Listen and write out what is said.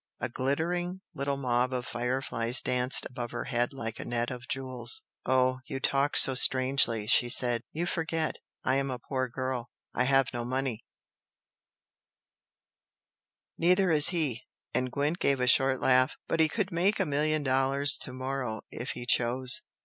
A glittering little mob of fire flies danced above her head like a net of jewels. "Oh, you talk so strangely!" she said "You forget! I am a poor girl I have no money " "Neither has he," and Gwent gave a short laugh. "But he could make a million dollars to morrow if he chose.